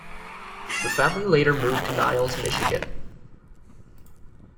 The family later moved to Niles, Michigan.